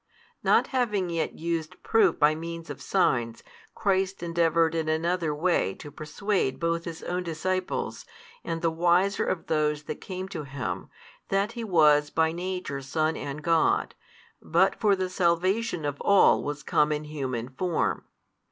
Not having yet used proof by means of signs, Christ endeavoured in another way to persuade both His own disciples, and the wiser of those that came to Him, that He was by Nature Son and God, but for the salvation of all was come in human Form.